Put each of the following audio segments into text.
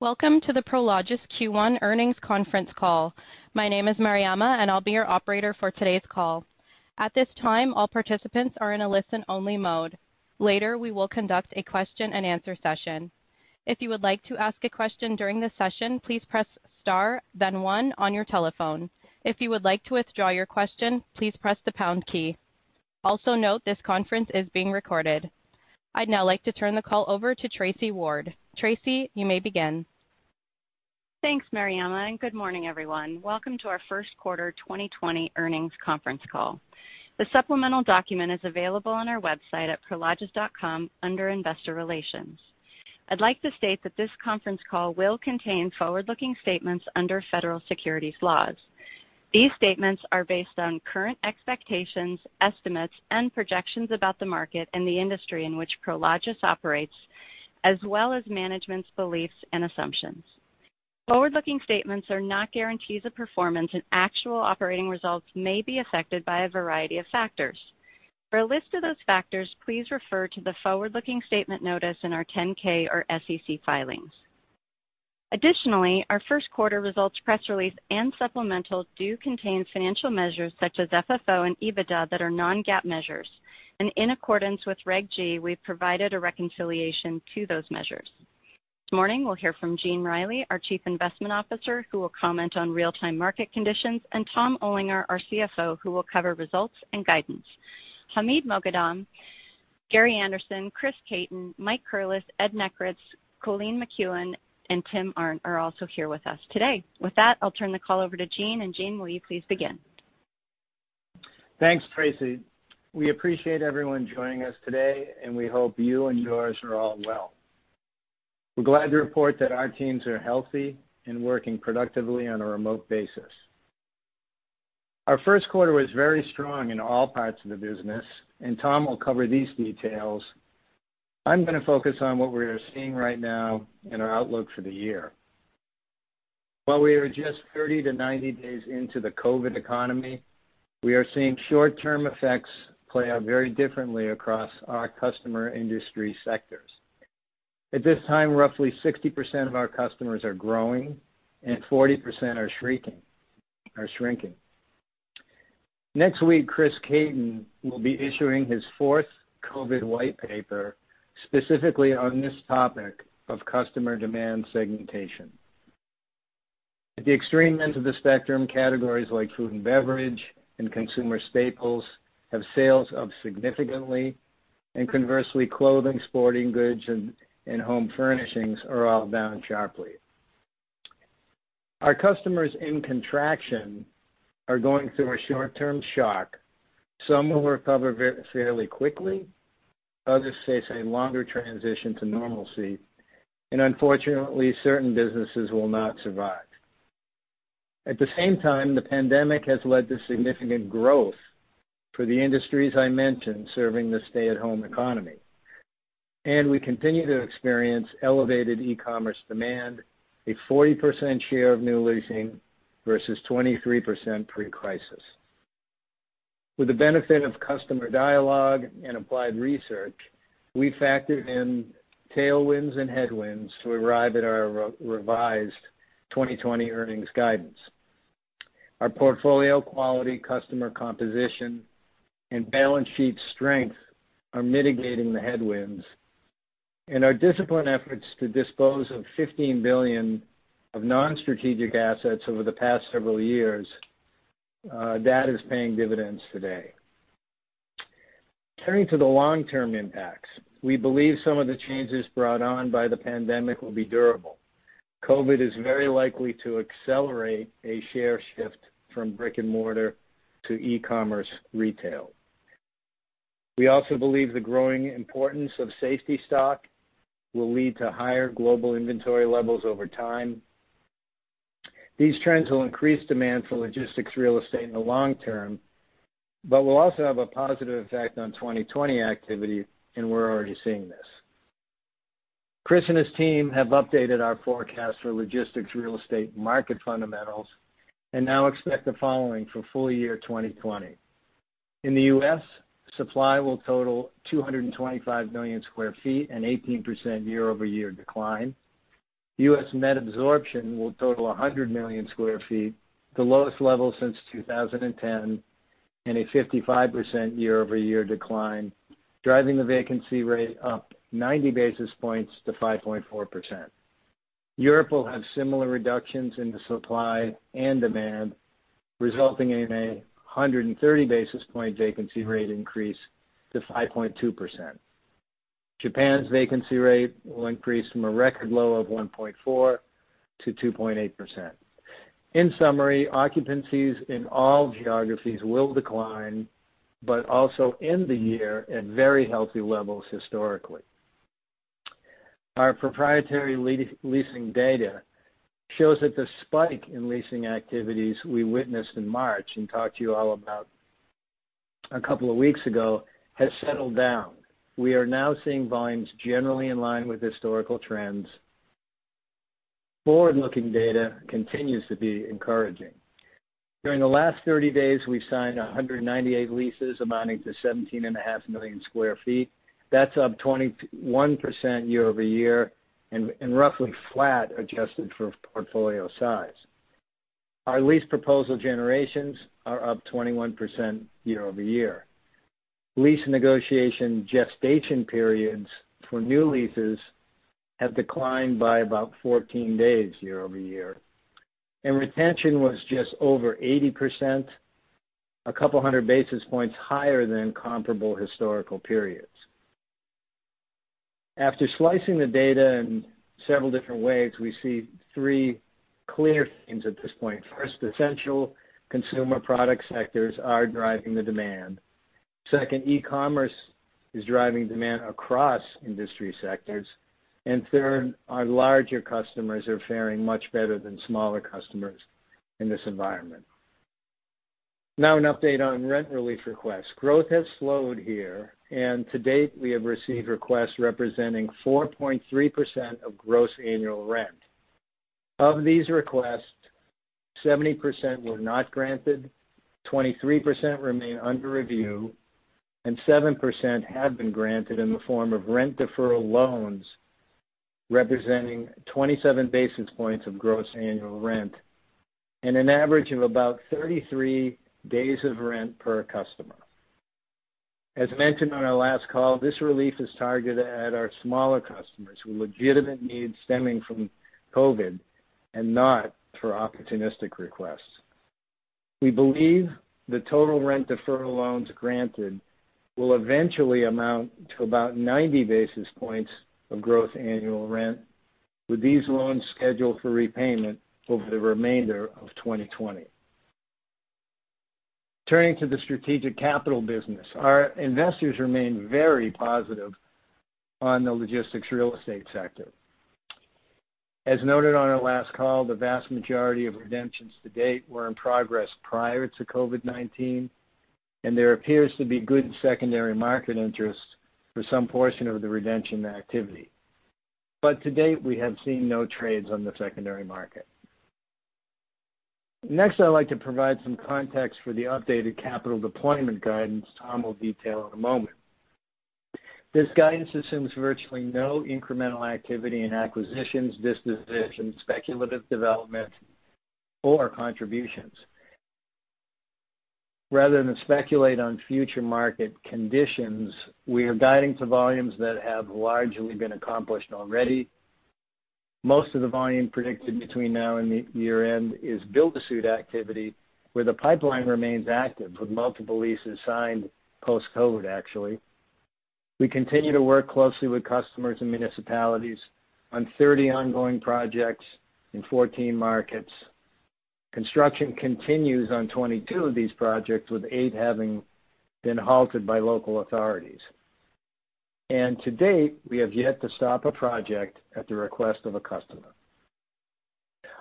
Welcome to the Prologis Q1 earnings conference call. My name is Mariana, and I'll be your operator for today's call. At this time, all participants are in a listen-only mode. Later, we will conduct a question and answer session. If you would like to ask a question during the session, please press star then one on your telephone. If you would like to withdraw your question, please press the pound key. Also note this conference is being recorded. I'd now like to turn the call over to Tracy Ward. Tracy, you may begin. Thanks, Mariana. Good morning, everyone. Welcome to our first quarter 2020 earnings conference call. The supplemental document is available on our website at prologis.com under Investor Relations. I'd like to state that this conference call will contain forward-looking statements under federal securities laws. These statements are based on current expectations, estimates, and projections about the market and the industry in which Prologis operates, as well as management's beliefs and assumptions. Forward-looking statements are not guarantees of performance, and actual operating results may be affected by a variety of factors. For a list of those factors, please refer to the forward-looking statement notice in our 10-K or SEC filings. Additionally, our first quarter results press release and supplemental do contain financial measures such as FFO and EBITDA that are non-GAAP measures. In accordance with Regulation G, we provided a reconciliation to those measures. This morning we'll hear from Eugene Reilly, our Chief Investment Officer, who will comment on real-time market conditions, and Thomas Olinger, our CFO, who will cover results and guidance. Hamid Moghadam, Gary Anderson, Chris Caton, Mike Curless, Ed Nekritz, Colleen McKeown, and Tim Arndt are also here with us today. With that, I'll turn the call over to Gene, and Gene, will you please begin? Thanks, Tracy. We appreciate everyone joining us today, and we hope you and yours are all well. We're glad to report that our teams are healthy and working productively on a remote basis. Our first quarter was very strong in all parts of the business, and Tom will cover these details. I'm going to focus on what we're seeing right now and our outlook for the year. While we are just 30-90 days into the COVID economy, we are seeing short-term effects play out very differently across our customer industry sectors. At this time, roughly 60% of our customers are growing and 40% are shrinking. Next week, Chris Caton will be issuing his fourth COVID white paper specifically on this topic of customer demand segmentation. At the extreme end of the spectrum, categories like food and beverage, and consumer staples have sales up significantly, and conversely, clothing, sporting goods, and home furnishings are all down sharply. Our customers in contraction are going through a short-term shock. Some will recover fairly quickly. Others face a longer transition to normalcy, and unfortunately, certain businesses will not survive. At the same time, the pandemic has led to significant growth for the industries I mentioned serving the stay-at-home economy, and we continue to experience elevated e-commerce demand, a 40% share of new leasing versus 23% pre-crisis. With the benefit of customer dialogue and applied research, we factored in tailwinds and headwinds to arrive at our revised 2020 earnings guidance. Our portfolio quality customer composition and balance sheet strength are mitigating the headwinds, and our disciplined efforts to dispose of $15 billion of non-strategic assets over the past several years, that is paying dividends today. Turning to the long-term impacts, we believe some of the changes brought on by the pandemic will be durable. COVID is very likely to accelerate a share shift from brick and mortar to e-commerce retail. We also believe the growing importance of safety stock will lead to higher global inventory levels over time. These trends will increase demand for logistics real estate in the long term but will also have a positive effect on 2020 activity, and we're already seeing this. Chris and his team have updated our forecast for logistics real estate market fundamentals and now expect the following for full year 2020. In the U.S., supply will total 225 million square feet, an 18% year-over-year decline. U.S. net absorption will total 100 million square feet, the lowest level since 2010, and a 55% year-over-year decline, driving the vacancy rate up 90 basis points to 5.4%. Europe will have similar reductions in the supply and demand, resulting in a 130 basis point vacancy rate increase to 5.2%. Japan's vacancy rate will increase from a record low of 1.4% to 2.8%. In summary, occupancies in all geographies will decline, but also end the year at very healthy levels historically. Our proprietary leasing data shows that the spike in leasing activities we witnessed in March and talked to you all about a couple of weeks ago has settled down. We are now seeing volumes generally in line with historical trends. Forward-looking data continues to be encouraging. During the last 30 days, we've signed 198 leases amounting to 17.5 million square feet. That's up 21% year-over-year and roughly flat adjusted for portfolio size. Our lease proposal generations are up 21% year-over-year. Lease negotiation gestation periods for new leases have declined by about 14 days year-over-year, and retention was just over 80%, a couple hundred basis points higher than comparable historical periods. After slicing the data in several different ways, we see three clear themes at this point. First, essential consumer product sectors are driving the demand. Second, e-commerce is driving demand across industry sectors. Third, our larger customers are faring much better than smaller customers in this environment. Now an update on rent relief requests. Growth has slowed here, and to date we have received requests representing 4.3% of gross annual rent. Of these requests, 70% were not granted, 23% remain under review, and 7% have been granted in the form of rent deferral loans, representing 27 basis points of gross annual rent and an average of about 33 days of rent per customer. As mentioned on our last call, this relief is targeted at our smaller customers who legitimate needs stemming from COVID-19 and not for opportunistic requests. We believe the total rent deferral loans granted will eventually amount to about 90 basis points of gross annual rent. With these loans scheduled for repayment over the remainder of 2020. Turning to the strategic capital business, our investors remain very positive on the logistics real estate sector. As noted on our last call, the vast majority of redemptions to date were in progress prior to COVID-19, and there appears to be good secondary market interest for some portion of the redemption activity. To date, we have seen no trades on the secondary market. Next, I'd like to provide some context for the updated capital deployment guidance Tom will detail in a moment. This guidance assumes virtually no incremental activity in acquisitions, dispositions, speculative development, or contributions. Rather than speculate on future market conditions, we are guiding to volumes that have largely been accomplished already. Most of the volume predicted between now and the year-end is build-to-suit activity, where the pipeline remains active, with multiple leases signed post-COVID, actually. We continue to work closely with customers and municipalities on 30 ongoing projects in 14 markets. Construction continues on 22 of these projects, with eight having been halted by local authorities. To date, we have yet to stop a project at the request of a customer.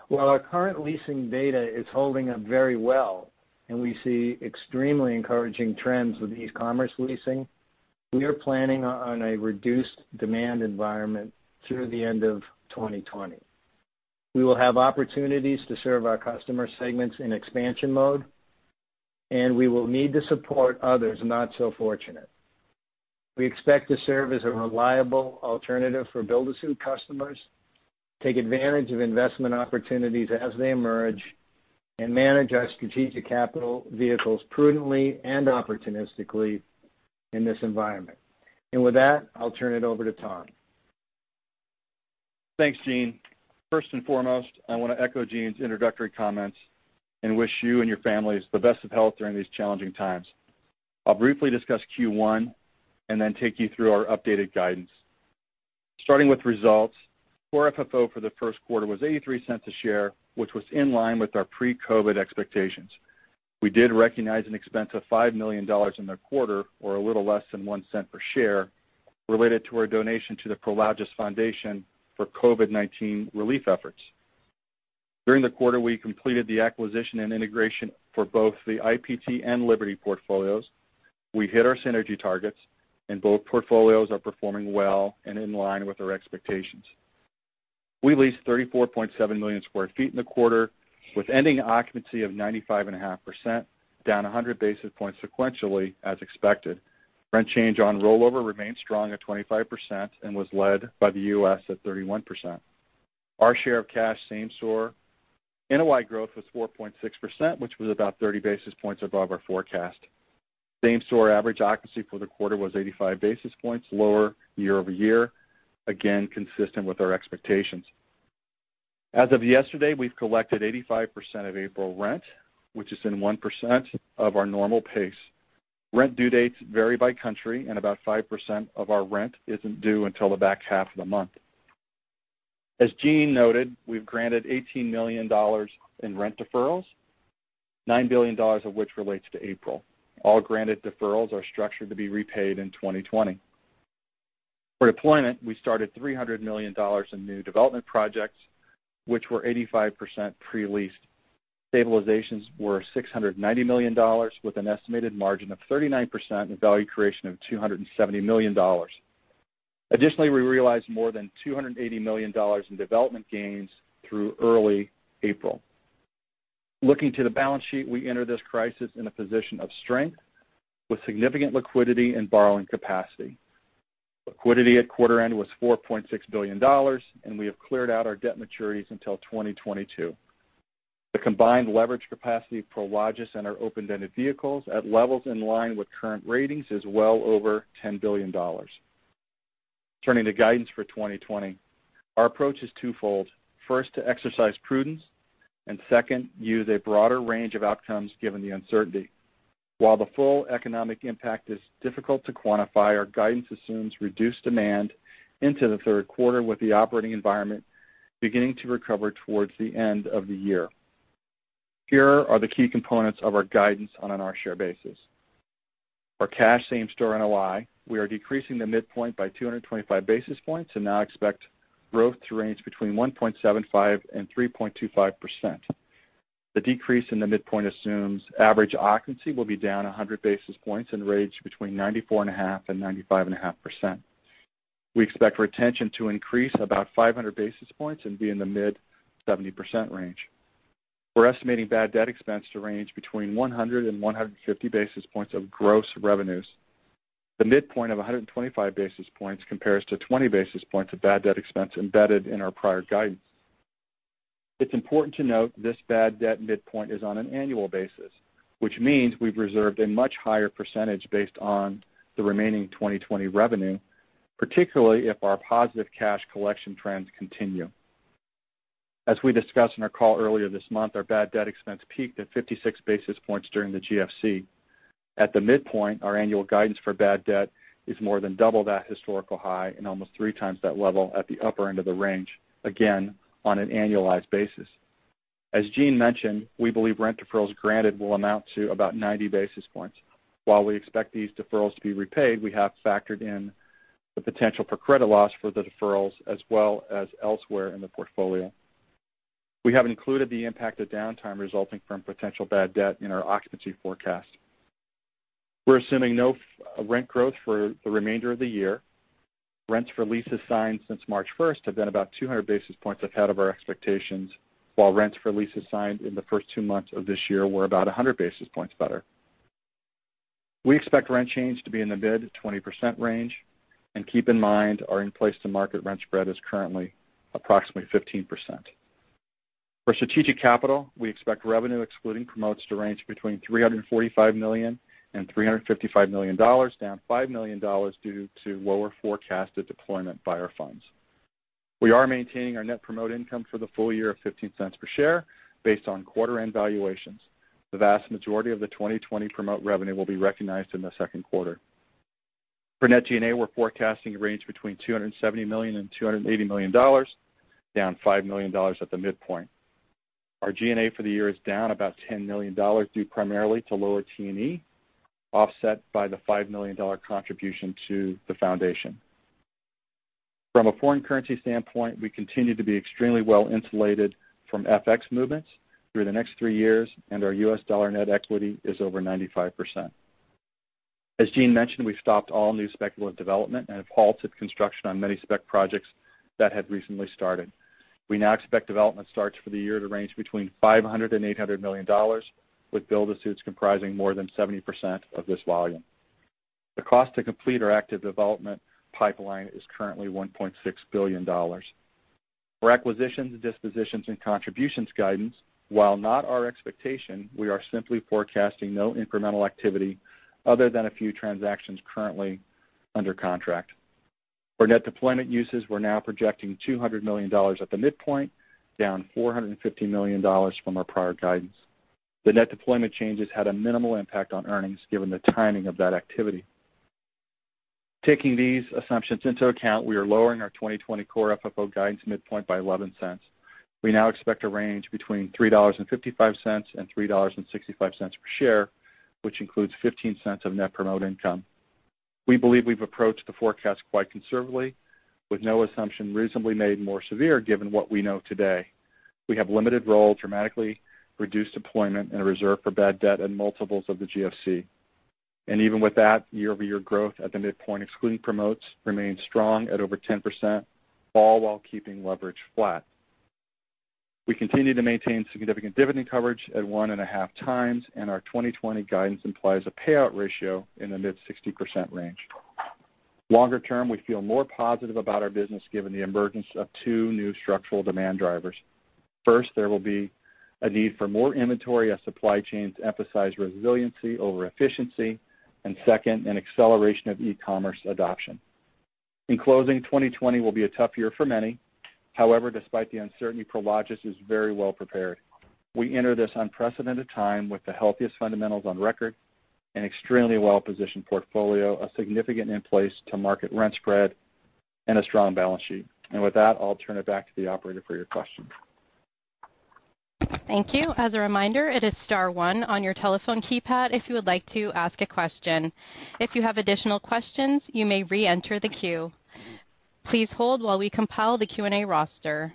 While our current leasing data is holding up very well, and we see extremely encouraging trends with e-commerce leasing, we are planning on a reduced demand environment through the end of 2020. We will have opportunities to serve our customer segments in expansion mode, and we will need to support others not so fortunate. We expect to serve as a reliable alternative for build-to-suit customers, take advantage of investment opportunities as they emerge, and manage our strategic capital vehicles prudently and opportunistically in this environment. With that, I'll turn it over to Tom. Thanks, Gene. First and foremost, I want to echo Gene's introductory comments and wish you and your families the best of health during these challenging times. I'll briefly discuss Q1 and then take you through our updated guidance. Starting with results, core FFO for the first quarter was $0.83 a share, which was in line with our pre-COVID-19 expectations. We did recognize an expense of $5 million in the quarter, or a little less than $0.01 per share, related to our donation to the Prologis Foundation for COVID-19 relief efforts. During the quarter, we completed the acquisition and integration for both the IPT and Liberty portfolios. We hit our synergy targets, and both portfolios are performing well and in line with our expectations. We leased 34.7 million square feet in the quarter, with ending occupancy of 95.5%, down 100 basis points sequentially, as expected. Rent change on rollover remained strong at 25% and was led by the U.S. at 31%. Our share of cash same store NOI growth was 4.6%, which was about 30 basis points above our forecast. Same store average occupancy for the quarter was 85 basis points lower year-over-year, again, consistent with our expectations. As of yesterday, we've collected 85% of April rent, which is in 1% of our normal pace. Rent due dates vary by country, and about 5% of our rent isn't due until the back half of the month. As Gene noted, we've granted $18 million in rent deferrals, $9 billion of which relates to April. All granted deferrals are structured to be repaid in 2020. For deployment, we started $300 million in new development projects, which were 85% pre-leased. Stabilizations were $690 million with an estimated margin of 39% and value creation of $270 million. Additionally, we realized more than $280 million in development gains through early April. Looking to the balance sheet, we enter this crisis in a position of strength with significant liquidity and borrowing capacity. Liquidity at quarter end was $4.6 billion, and we have cleared out our debt maturities until 2022. The combined leverage capacity of Prologis and our open-ended vehicles at levels in line with current ratings is well over $10 billion. Turning to guidance for 2020, our approach is twofold. First, to exercise prudence, and second, use a broader range of outcomes given the uncertainty. While the full economic impact is difficult to quantify, our guidance assumes reduced demand into the third quarter, with the operating environment beginning to recover towards the end of the year. Here are the key components of our guidance on an our share basis. For cash same store NOI, we are decreasing the midpoint by 225 basis points and now expect growth to range between 1.75% and 3.25%. The decrease in the midpoint assumes average occupancy will be down 100 basis points and range between 94.5% and 95.5%. We expect retention to increase about 500 basis points and be in the mid 70% range. We're estimating bad debt expense to range between 100 and 150 basis points of gross revenues. The midpoint of 125 basis points compares to 20 basis points of bad debt expense embedded in our prior guidance. It's important to note this bad debt midpoint is on an annual basis, which means we've reserved a much higher percentage based on the remaining 2020 revenue, particularly if our positive cash collection trends continue. As we discussed in our call earlier this month, our bad debt expense peaked at 56 basis points during the GFC. At the midpoint, our annual guidance for bad debt is more than double that historical high and almost three times that level at the upper end of the range, again, on an annualized basis. As Gene mentioned, we believe rent deferrals granted will amount to about 90 basis points. While we expect these deferrals to be repaid, we have factored in the potential for credit loss for the deferrals, as well as elsewhere in the portfolio. We have included the impact of downtime resulting from potential bad debt in our occupancy forecast. We're assuming no rent growth for the remainder of the year. Rents for leases signed since March 1st have been about 200 basis points ahead of our expectations, while rents for leases signed in the first two months of this year were about 100 basis points better. We expect rent change to be in the mid 20% range. Keep in mind, our in-place to market rent spread is currently approximately 15%. For strategic capital, we expect revenue excluding promotes to range between $345 million and $355 million, down $5 million due to lower forecasted deployment by our funds. We are maintaining our net promote income for the full year of $0.15 per share based on quarter end valuations. The vast majority of the 2020 promote revenue will be recognized in the second quarter. For net G&A, we're forecasting a range between $270 million and $280 million, down $5 million at the midpoint. Our G&A for the year is down about $10 million due primarily to lower T&E, offset by the $5 million contribution to the Foundation. From a foreign currency standpoint, we continue to be extremely well-insulated from FX movements through the next three years, and our U.S. dollar net equity is over 95%. As Gene mentioned, we've stopped all new speculative development and have halted construction on many spec projects that had recently started. We now expect development starts for the year to range between $500 million and $800 million, with build-to-suits comprising more than 70% of this volume. The cost to complete our active development pipeline is currently $1.6 billion. For acquisitions, dispositions, and contributions guidance, while not our expectation, we are simply forecasting no incremental activity other than a few transactions currently under contract. For net deployment uses, we're now projecting $200 million at the midpoint, down $450 million from our prior guidance. The net deployment changes had a minimal impact on earnings, given the timing of that activity. Taking these assumptions into account, we are lowering our 2020 core FFO guidance midpoint by $0.11. We now expect a range between $3.55 and $3.65 per share, which includes $0.15 of net promote income. We believe we've approached the forecast quite conservatively, with no assumption reasonably made more severe, given what we know today. We have limited role, dramatically reduced deployment, and a reserve for bad debt and multiples of the GFC. Even with that, year-over-year growth at the midpoint, excluding promotes, remains strong at over 10%, all while keeping leverage flat. We continue to maintain significant dividend coverage at one and a half times, and our 2020 guidance implies a payout ratio in the mid 60% range. Longer term, we feel more positive about our business given the emergence of two new structural demand drivers. First, there will be a need for more inventory as supply chains emphasize resiliency over efficiency. Second, an acceleration of e-commerce adoption. In closing, 2020 will be a tough year for many. However, despite the uncertainty, Prologis is very well prepared. We enter this unprecedented time with the healthiest fundamentals on record, an extremely well-positioned portfolio, a significant in-place to market rent spread, and a strong balance sheet. With that, I'll turn it back to the operator for your questions. Thank you. As a reminder, it is star one on your telephone keypad if you would like to ask a question. If you have additional questions, you may re-enter the queue. Please hold while we compile the Q&A roster.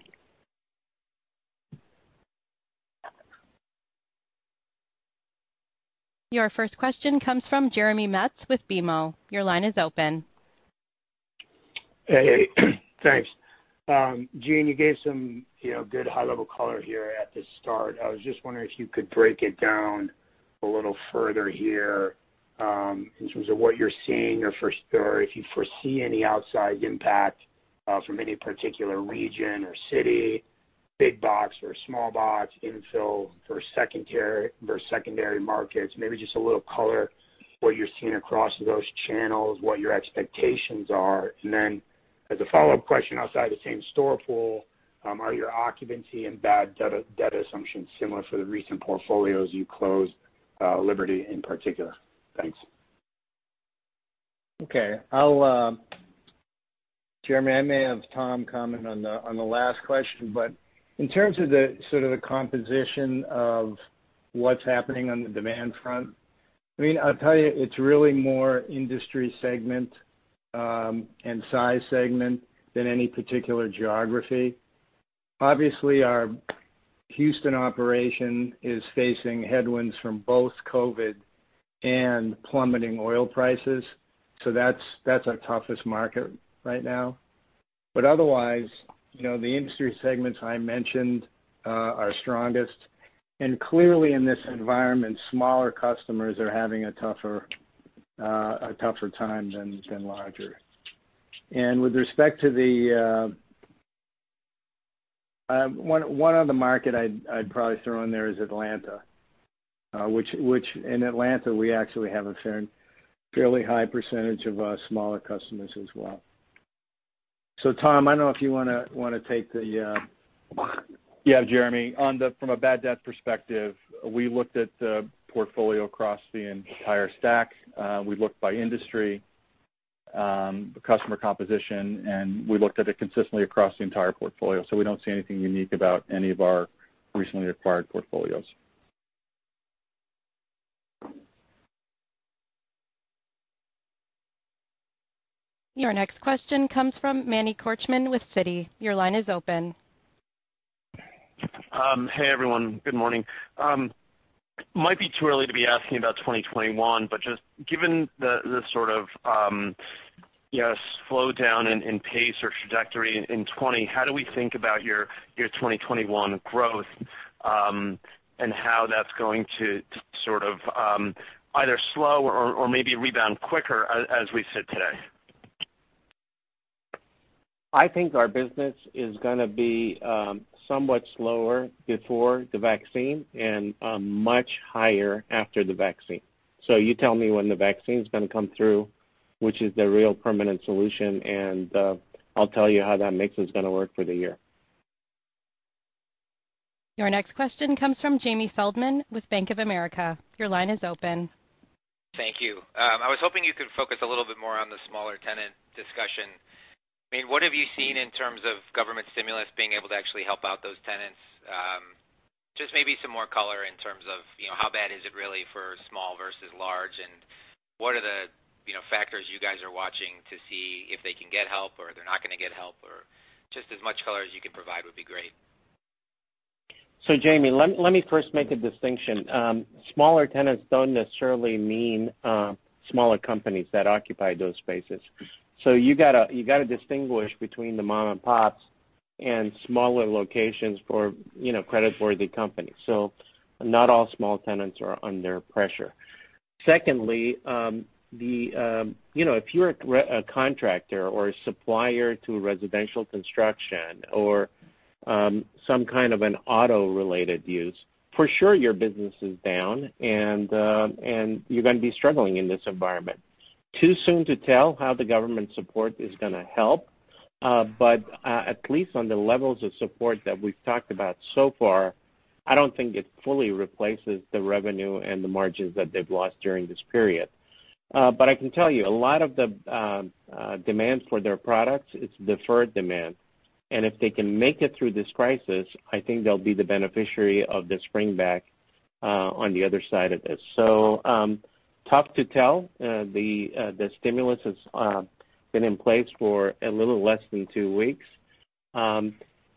Your first question comes from Jeremy Metz with BMO. Your line is open. Hey. Thanks. Gene, you gave some good high-level color here at the start. I was just wondering if you could break it down a little further here in terms of what you're seeing, or if you foresee any outside impact from any particular region or city, big box or small box, infill for secondary markets. Maybe just a little color what you're seeing across those channels, what your expectations are. As a follow-up question outside the same store pool, are your occupancy and bad debt assumptions similar for the recent portfolios you closed, Liberty in particular? Thanks. Okay. Jeremy, I may have Tom comment on the last question, but in terms of the sort of the composition of what's happening on the demand front, I'll tell you, it's really more industry segment and size segment than any particular geography. Obviously, our Houston operation is facing headwinds from both COVID-19 and plummeting oil prices, so that's our toughest market right now. Otherwise, the industry segments I mentioned are strongest. Clearly, in this environment, smaller customers are having a tougher time than larger. One other market I'd probably throw in there is Atlanta, which in Atlanta, we actually have a fairly high percentage of our smaller customers as well. Tom, I don't know if you want to take the- Yeah, Jeremy. From a bad debt perspective, we looked at the portfolio across the entire stack. We looked by industry, customer composition, and we looked at it consistently across the entire portfolio. We don't see anything unique about any of our recently acquired portfolios. Your next question comes from Manny Korchman with Citi. Your line is open. Hey, everyone. Good morning. Might be too early to be asking about 2021, but just given the sort of slowdown in pace or trajectory in 2020, how do we think about your 2021 growth, and how that's going to sort of either slow or maybe rebound quicker as we sit today? I think our business is going to be somewhat slower before the vaccine and much higher after the vaccine. You tell me when the vaccine's going to come through, which is the real permanent solution, and I'll tell you how that mix is going to work for the year. Your next question comes from Jamie Feldman with Bank of America. Your line is open. Thank you. I was hoping you could focus a little bit more on the smaller tenant discussion. What have you seen in terms of government stimulus being able to actually help out those tenants? Just maybe some more color in terms of how bad is it really for small versus large, and what are the factors you guys are watching to see if they can get help or they're not going to get help or just as much color as you can provide would be great. Jamie, let me first make a distinction. Smaller tenants don't necessarily mean smaller companies that occupy those spaces. You got to distinguish between the mom and pops and smaller locations for creditworthy companies. Not all small tenants are under pressure. Secondly, if you're a contractor or a supplier to residential construction or some kind of an auto-related use, for sure your business is down and you're going to be struggling in this environment. Too soon to tell how the government support is going to help. At least on the levels of support that we've talked about so far, I don't think it fully replaces the revenue and the margins that they've lost during this period. I can tell you, a lot of the demand for their products, it's deferred demand, and if they can make it through this crisis, I think they'll be the beneficiary of the spring back on the other side of this. Tough to tell. The stimulus has been in place for a little less than two weeks. The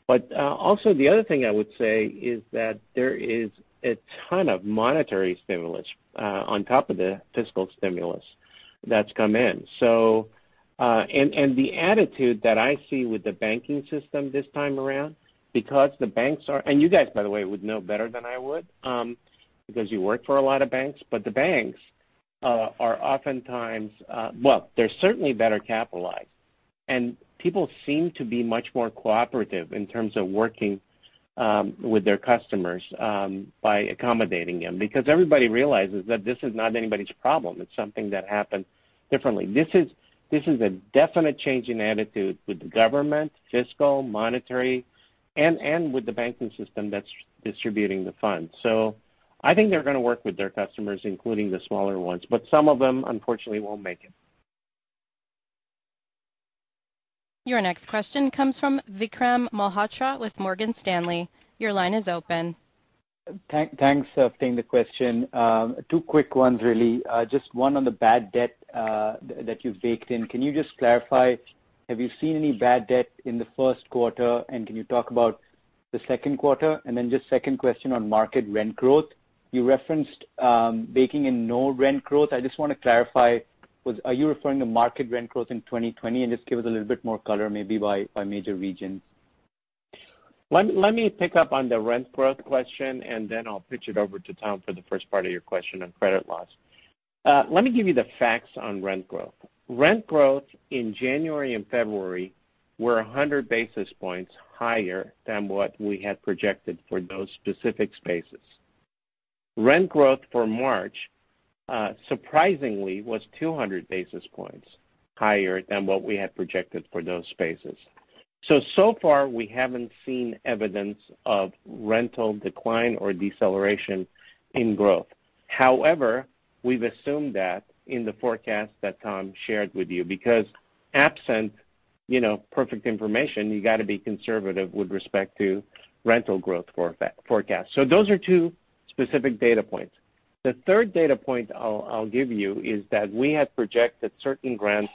other thing I would say is that there is a ton of monetary stimulus on top of the fiscal stimulus that's come in. The attitude that I see with the banking system this time around, because the banks are. You guys, by the way, would know better than I would, because you work for a lot of banks, but the banks are oftentimes certainly better capitalized. People seem to be much more cooperative in terms of working with their customers by accommodating them, because everybody realizes that this is not anybody's problem. It's something that happened differently. This is a definite change in attitude with the government, fiscal, monetary, and with the banking system that's distributing the funds. I think they're going to work with their customers, including the smaller ones, but some of them, unfortunately, won't make it. Your next question comes from Vikram Malhotra with Morgan Stanley. Your line is open. Thanks for taking the question. Two quick ones, really. Just one on the bad debt that you've baked in. Can you just clarify, have you seen any bad debt in the first quarter, and can you talk about the second quarter? Just second question on market rent growth. You referenced baking in no rent growth. I just want to clarify, are you referring to market rent growth in 2020? Just give us a little bit more color, maybe by major regions. Let me pick up on the rent growth question, and then I'll pitch it over to Tom for the first part of your question on credit loss. Let me give you the facts on rent growth. Rent growth in January and February were 100 basis points higher than what we had projected for those specific spaces. Rent growth for March, surprisingly, was 200 basis points higher than what we had projected for those spaces. So far we haven't seen evidence of rental decline or deceleration in growth. However, we've assumed that in the forecast that Tom shared with you, because absent perfect information, you got to be conservative with respect to rental growth forecast. So those are two specific data points. The third data point I'll give you is that we had projected certain grants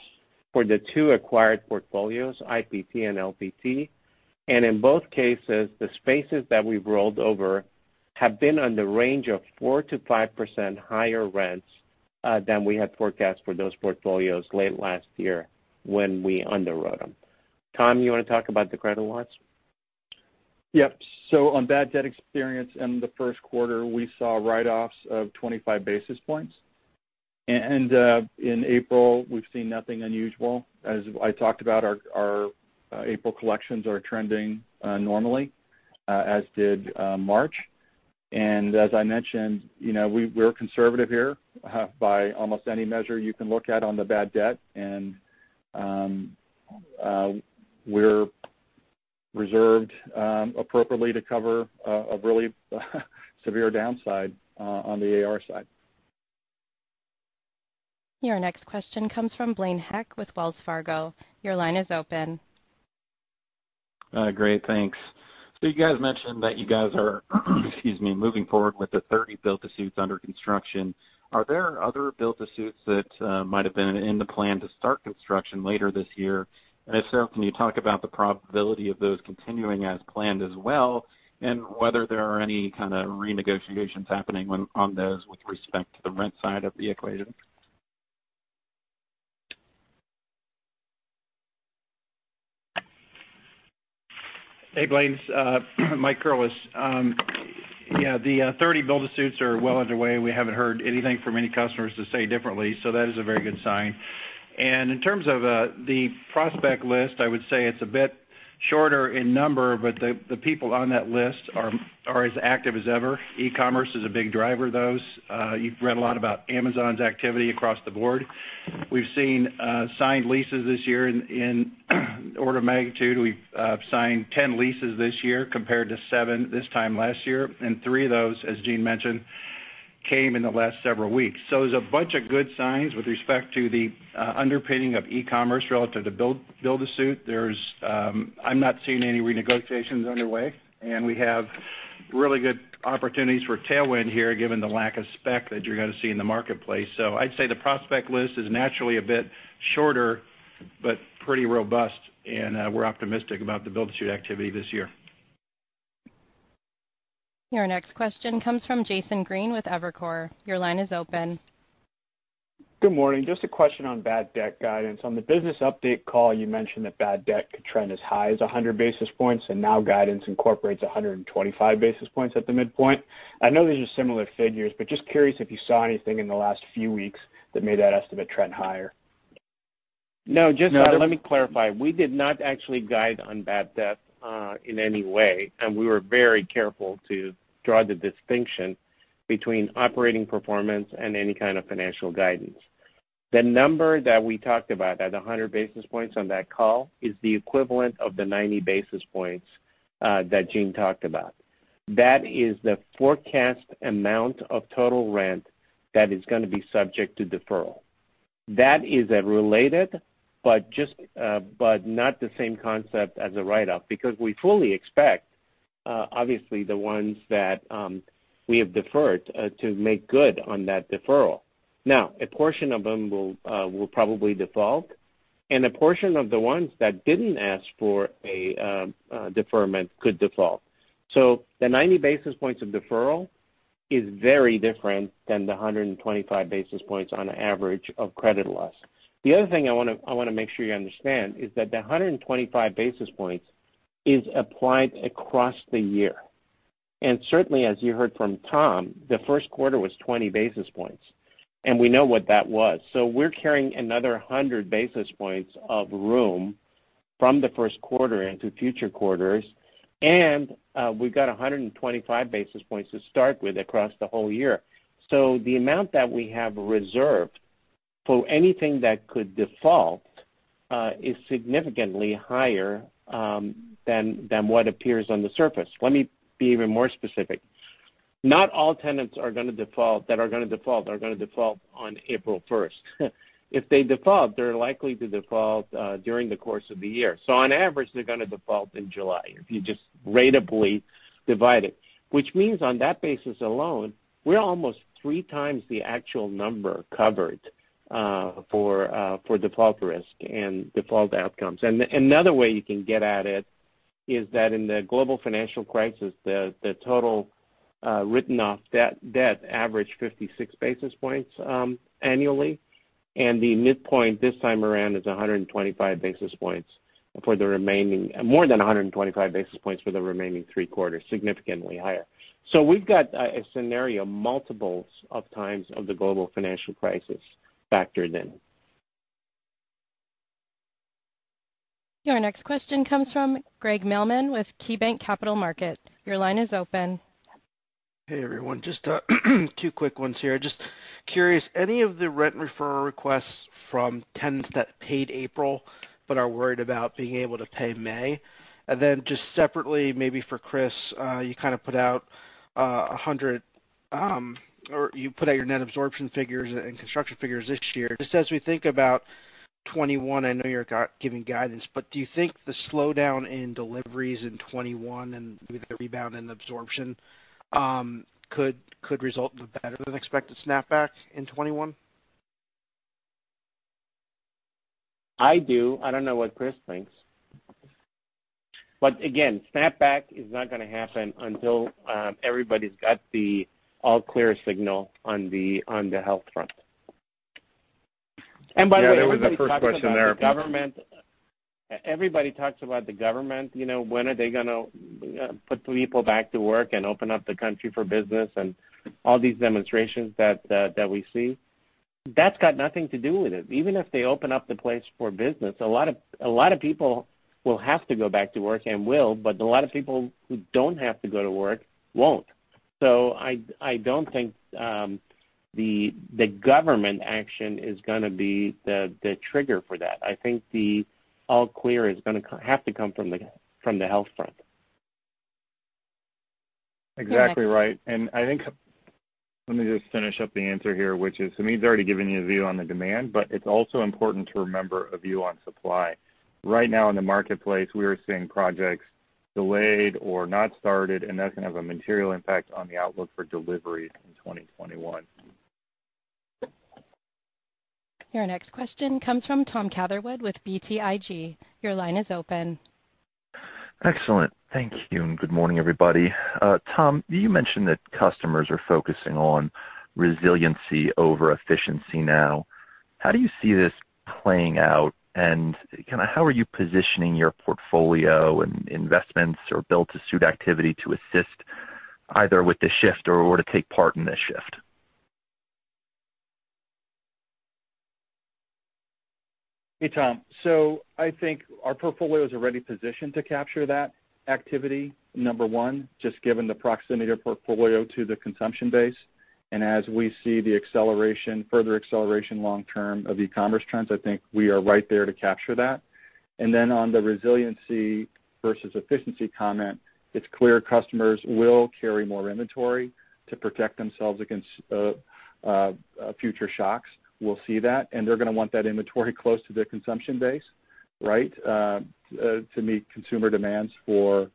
for the two acquired portfolios, IPT and LPT, and in both cases, the spaces that we've rolled over have been on the range of 4%-5% higher rents than we had forecast for those portfolios late last year when we underwrote them. Tom, you want to talk about the credit loss? Yep. On bad debt experience in the first quarter, we saw write-offs of 25 basis points. In April, we've seen nothing unusual. As I talked about, our April collections are trending normally, as did March. As I mentioned, we're conservative here by almost any measure you can look at on the bad debt, and we're reserved appropriately to cover a really severe downside on the AR side. Your next question comes from Blaine Heck with Wells Fargo. Your line is open. Great. Thanks. You guys mentioned that you guys are, excuse me, moving forward with the 30 build-to-suits under construction. Are there other build-to-suits that might have been in the plan to start construction later this year? If so, can you talk about the probability of those continuing as planned as well, and whether there are any kind of renegotiations happening on those with respect to the rent side of the equation? Hey, Blaine. Mike Curless. Yeah, the 30 build-to-suits are well underway. We haven't heard anything from any customers to say differently, so that is a very good sign. In terms of the prospect list, I would say it's a bit shorter in number, but the people on that list are as active as ever. E-commerce is a big driver of those. You've read a lot about Amazon's activity across the board. We've seen signed leases this year. In order of magnitude, we've signed 10 leases this year compared to seven this time last year. Three of those, as Gene mentioned, came in the last several weeks. There's a bunch of good signs with respect to the underpinning of e-commerce relative to build-to-suit. I'm not seeing any renegotiations underway, and we have really good opportunities for tailwind here given the lack of spec that you're going to see in the marketplace. I'd say the prospect list is naturally a bit shorter but pretty robust, and we're optimistic about the build-to-suit activity this year. Your next question comes from Jason Green with Evercore. Your line is open. Good morning. Just a question on bad debt guidance. On the business update call, you mentioned that bad debt could trend as high as 100 basis points. Now guidance incorporates 125 basis points at the midpoint. I know these are similar figures, but just curious if you saw anything in the last few weeks that made that estimate trend higher. No, just let me clarify. We did not actually guide on bad debt in any way, and we were very careful to draw the distinction between operating performance and any kind of financial guidance. The number that we talked about at 100 basis points on that call is the equivalent of the 90 basis points that Gene talked about. That is the forecast amount of total rent that is going to be subject to deferral. That is related, but not the same concept as a write-off because we fully expect, obviously, the ones that we have deferred to make good on that deferral. A portion of them will probably default, and a portion of the ones that didn't ask for a deferment could default. The 90 basis points of deferral is very different than the 125 basis points on average of credit loss. The other thing I want to make sure you understand is that the 125 basis points is applied across the year. Certainly, as you heard from Tom, the first quarter was 20 basis points, and we know what that was. We're carrying another 100 basis points of room from the first quarter into future quarters, and we've got 125 basis points to start with across the whole year. The amount that we have reserved for anything that could default is significantly higher than what appears on the surface. Let me be even more specific. Not all tenants that are going to default are going to default on April first. If they default, they're likely to default during the course of the year. On average, they're going to default in July if you just ratably divide it, which means on that basis alone, we're almost three times the actual number covered for default risk and default outcomes. Another way you can get at it is that in the Global Financial Crisis, the total written off debt averaged 56 basis points annually, and the midpoint this time around is more than 125 basis points for the remaining three quarters, significantly higher. We've got a scenario multiples of times of the Global Financial Crisis factored in. Your next question comes from Craig Mailman with KeyBanc Capital Markets. Your line is open. Hey, everyone. Just two quick ones here. Just curious, any of the rent deferral requests from tenants that paid April but are worried about being able to pay May? Just separately maybe for Chris, you kind of put out 100 or you put out your net absorption figures and construction figures this year. Just as we think about 2021, I know you're giving guidance, but do you think the slowdown in deliveries in 2021 and maybe the rebound in absorption could result in a better than expected snapback in 2021? I do. I don't know what Chris thinks. Again, snapback is not going to happen until everybody's got the all clear signal on the health front. Yeah, that was the first question there. Everybody talks about the government. Everybody talks about the government, when are they going to put people back to work and open up the country for business and all these demonstrations that we see. That's got nothing to do with it. Even if they open up the place for business, a lot of people will have to go back to work and will, but a lot of people who don't have to go to work won't. I don't think the government action is going to be the trigger for that. I think the all clear is going to have to come from the health front. Your next- Exactly right. I think Let me just finish up the answer here, which is, Sameer's already given you a view on the demand, but it's also important to remember a view on supply. Right now in the marketplace, we are seeing projects delayed or not started, and that's going to have a material impact on the outlook for deliveries in 2021. Your next question comes from Tom Catherwood with BTIG. Your line is open. Excellent. Thank you. Good morning, everybody. Tom, you mentioned that customers are focusing on resiliency over efficiency now. How do you see this playing out, and kind of how are you positioning your portfolio and investments or build-to-suit activity to assist either with the shift or to take part in this shift? Hey, Tom. I think our portfolio is already positioned to capture that activity, number one, just given the proximity of portfolio to the consumption base. As we see the further acceleration long term of e-commerce trends, I think we are right there to capture that. On the resiliency versus efficiency comment, it's clear customers will carry more inventory to protect themselves against future shocks. We'll see that, and they're going to want that inventory close to their consumption base, right? To meet consumer demands for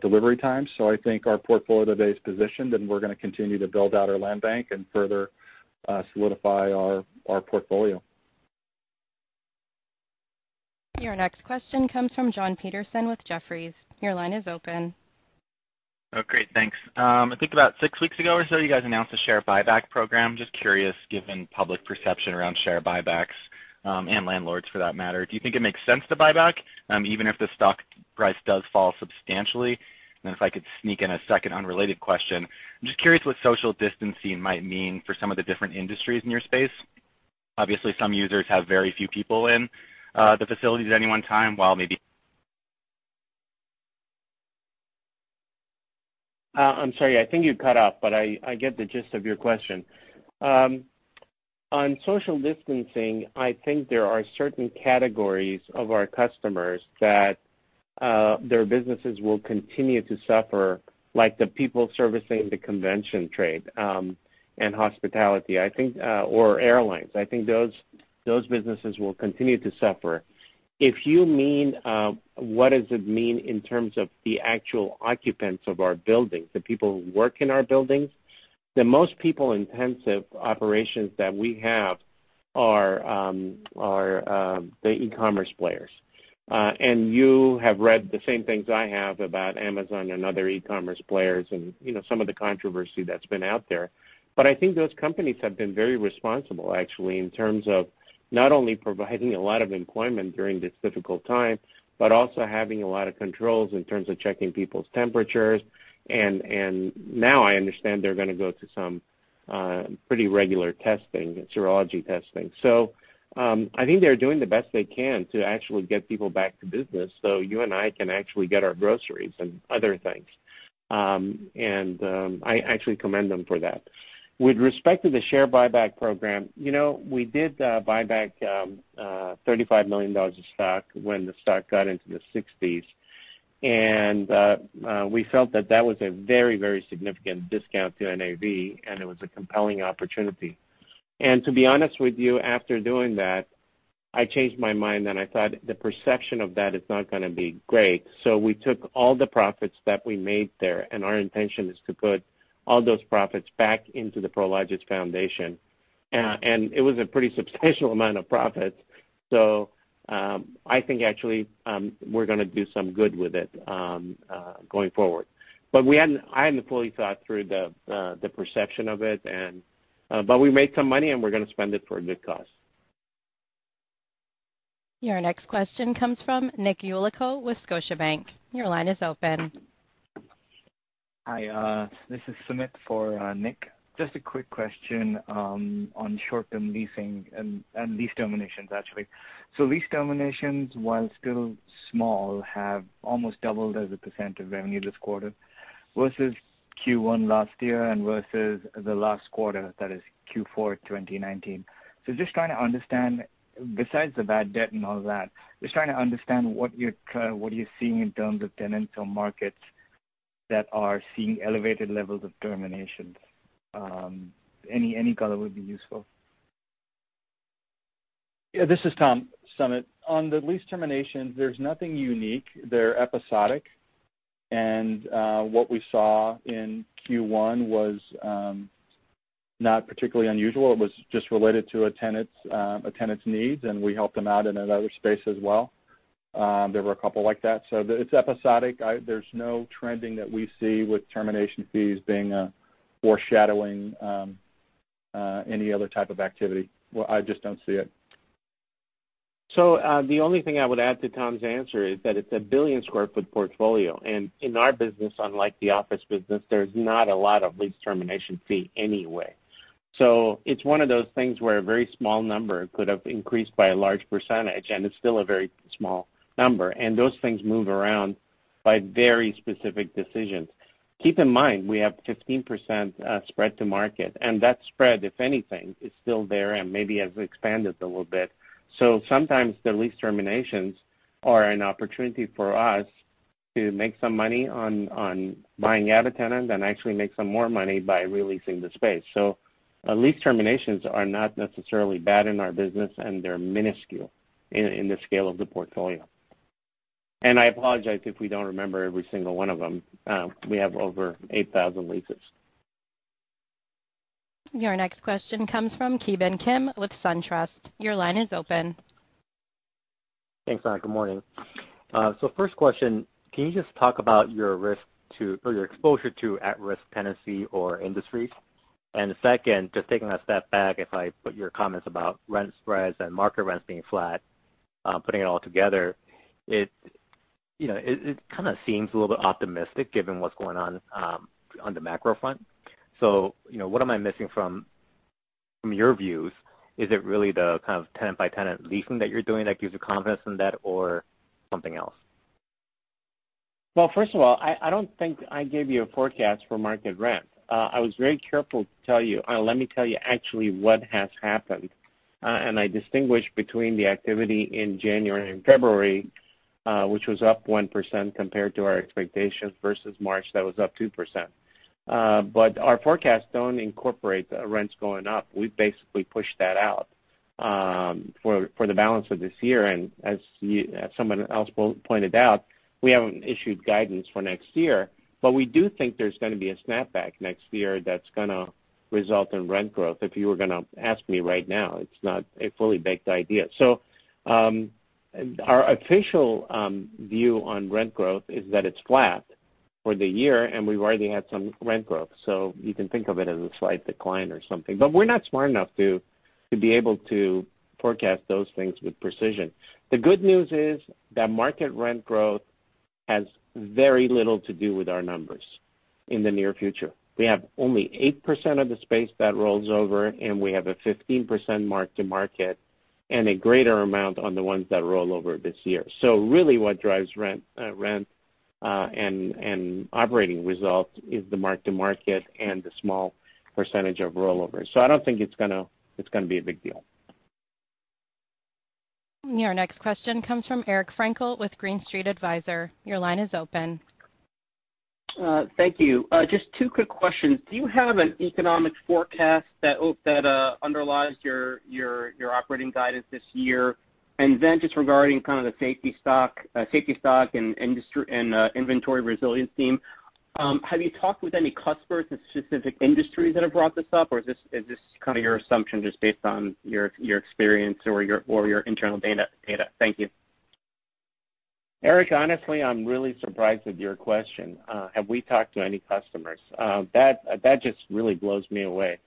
delivery times. I think our portfolio today is positioned, and we're going to continue to build out our land bank and further solidify our portfolio. Your next question comes from Jon Petersen with Jefferies. Your line is open. Oh, great, thanks. I think about six weeks ago or so, you guys announced a share buyback program. Just curious, given public perception around share buybacks, and landlords for that matter, do you think it makes sense to buy back even if the stock price does fall substantially? If I could sneak in a second unrelated question, I'm just curious what social distancing might mean for some of the different industries in your space. Obviously, some users have very few people in the facilities at any one time. I'm sorry. I think you cut off, but I get the gist of your question. On social distancing, I think there are certain categories of our customers that their businesses will continue to suffer, like the people servicing the convention trade, and hospitality, I think, or airlines. I think those businesses will continue to suffer. If you mean, what does it mean in terms of the actual occupants of our buildings, the people who work in our buildings, the most people-intensive operations that we have are the e-commerce players. You have read the same things I have about Amazon and other e-commerce players and some of the controversy that's been out there. I think those companies have been very responsible, actually, in terms of not only providing a lot of employment during this difficult time, but also having a lot of controls in terms of checking people's temperatures. Now I understand they're going to go to some pretty regular testing, serology testing. I think they're doing the best they can to actually get people back to business so you and I can actually get our groceries and other things. I actually commend them for that. With respect to the share buyback program, we did buy back $35 million of stock when the stock got into the 60s. We felt that that was a very significant discount to NAV, and it was a compelling opportunity. To be honest with you, after doing that I changed my mind and I thought the perception of that is not going to be great. We took all the profits that we made there, and our intention is to put all those profits back into the Prologis Foundation. It was a pretty substantial amount of profits. I think actually, we're going to do some good with it going forward. I hadn't fully thought through the perception of it. We made some money, and we're going to spend it for a good cause. Your next question comes from Nick Yulico with Scotiabank. Your line is open. Hi. This is Sumit for Nick. Just a quick question on short-term leasing and lease terminations, actually. Lease terminations, while still small, have almost doubled as a percent of revenue this quarter versus Q1 last year and versus the last quarter, that is Q4 2019. Just trying to understand, besides the bad debt and all that, just trying to understand what you're seeing in terms of tenants or markets that are seeing elevated levels of terminations. Any color would be useful. Yeah. This is Tom. Sumit. On the lease terminations, there's nothing unique. They're episodic. What we saw in Q1 was not particularly unusual. It was just related to a tenant's needs, and we helped them out in another space as well. There were a couple like that. It's episodic. There's no trending that we see with termination fees foreshadowing any other type of activity. I just don't see it. The only thing I would add to Tom's answer is that it's a billion square foot portfolio. In our business, unlike the office business, there's not a lot of lease termination fee anyway. It's one of those things where a very small number could have increased by a large percentage, and it's still a very small number, and those things move around by very specific decisions. Keep in mind, we have 15% spread to market, and that spread, if anything, is still there and maybe has expanded a little bit. Sometimes the lease terminations are an opportunity for us to make some money on buying out a tenant and actually make some more money by re-leasing the space. Lease terminations are not necessarily bad in our business, and they're minuscule in the scale of the portfolio. I apologize if we don't remember every single one of them. We have over 8,000 leases. Your next question comes from Ki Bin Kim with SunTrust. Your line is open. Thanks. Good morning. First question, can you just talk about your risk to, or your exposure to at-risk tenancy or industries? Second, just taking a step back, if I put your comments about rent spreads and market rents being flat, putting it all together, it kind of seems a little bit optimistic given what's going on on the macro front. What am I missing from your views? Is it really the kind of tenant-by-tenant leasing that you're doing that gives you confidence in that or something else? Well, first of all, I don't think I gave you a forecast for market rent. I was very careful to tell you. Let me tell you actually what has happened. I distinguished between the activity in January and February, which was up 1% compared to our expectations versus March, that was up 2%. Our forecasts don't incorporate the rents going up. We've basically pushed that out for the balance of this year. As someone else pointed out, we haven't issued guidance for next year, but we do think there's going to be a snapback next year that's going to result in rent growth. If you were going to ask me right now, it's not a fully baked idea. Our official view on rent growth is that it's flat for the year, and we've already had some rent growth. You can think of it as a slight decline or something. We're not smart enough to be able to forecast those things with precision. The good news is that market rent growth has very little to do with our numbers in the near future. We have only 8% of the space that rolls over, and we have a 15% mark-to-market and a greater amount on the ones that roll over this year. Really what drives rent and operating results is the mark-to-market and the small percentage of rollover. I don't think it's going to be a big deal. Your next question comes from Eric Frankel with Green Street Advisors. Your line is open. Thank you. Just two quick questions. Do you have an economic forecast that underlies your operating guidance this year? Just regarding kind of the safety stock and inventory resilience theme, have you talked with any customers in specific industries that have brought this up, or is this kind of your assumption just based on your experience or your internal data? Thank you. Eric, honestly, I'm really surprised at your question. Have we talked to any customers? That just really blows me away.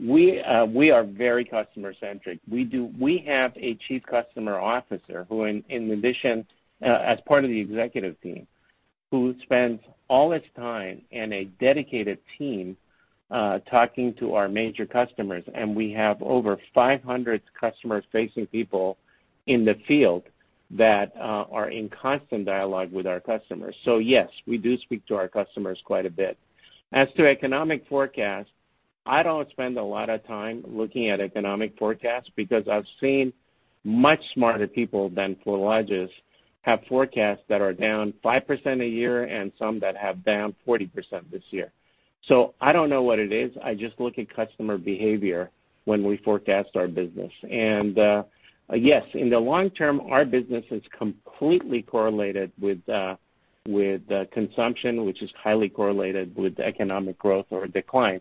We are very customer-centric. We have a Chief Customer Officer who in addition as part of the executive team, who spends all his time and a dedicated team talking to our major customers. We have over 500 customer-facing people in the field that are in constant dialogue with our customers. Yes, we do speak to our customers quite a bit. As to economic forecast, I don't spend a lot of time looking at economic forecasts because I've seen much smarter people than Prologis have forecasts that are down 5% a year and some that have down 40% this year. I don't know what it is. I just look at customer behavior when we forecast our business. Yes, in the long term, our business is completely correlated with the consumption, which is highly correlated with economic growth or decline.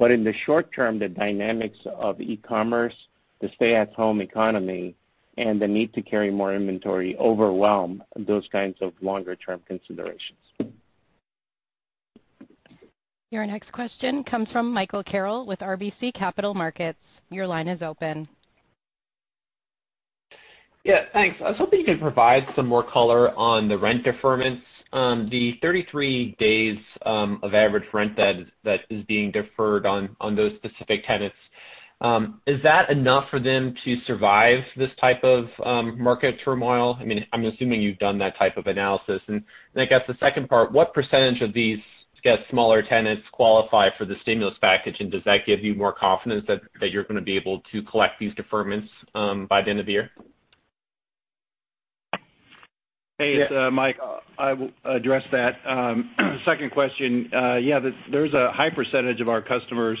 In the short term, the dynamics of e-commerce, the stay-at-home economy, and the need to carry more inventory overwhelm those kinds of longer-term considerations. Your next question comes from Michael Carroll with RBC Capital Markets. Your line is open. Yeah, thanks. I was hoping you could provide some more color on the rent deferments. The 33 days of average rent that is being deferred on those specific tenants, is that enough for them to survive this type of market turmoil? I'm assuming you've done that type of analysis. I guess the second part, what percentage of these smaller tenants qualify for the stimulus package, and does that give you more confidence that you're going to be able to collect these deferments by the end of the year? Hey, it's Mike. I will address that. Second question, yeah, there's a high percentage of our customers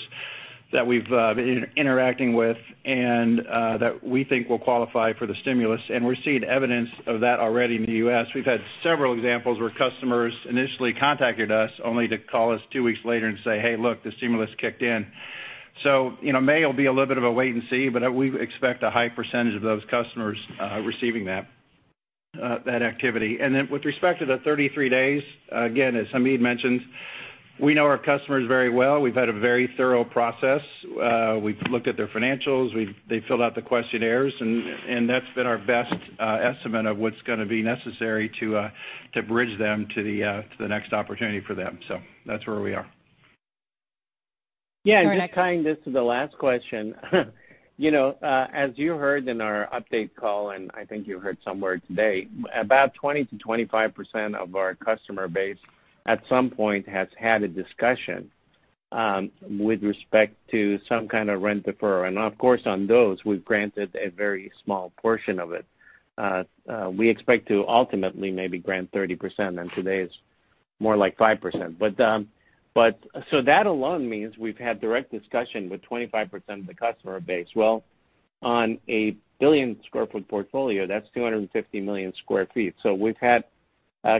that we've been interacting with and that we think will qualify for the stimulus, and we're seeing evidence of that already in the U.S. We've had several examples where customers initially contacted us, only to call us two weeks later and say, "Hey, look, the stimulus kicked in." May will be a little bit of a wait and see, but we expect a high percentage of those customers receiving that activity. With respect to the 33 days, again, as Hamid mentioned, we know our customers very well. We've had a very thorough process. We've looked at their financials. They filled out the questionnaires, that's been our best estimate of what's going to be necessary to bridge them to the next opportunity for them. That's where we are. Yeah- Your next- Just tying this to the last question. As you heard in our update call, and I think you heard somewhere today, about 20%-25% of our customer base, at some point, has had a discussion with respect to some kind of rent deferral. And of course, on those, we've granted a very small portion of it. We expect to ultimately maybe grant 30%, and today it's more like 5%. That alone means we've had direct discussion with 25% of the customer base. Well, on a 1 billion-square-foot portfolio, that's 250 million square feet. We've had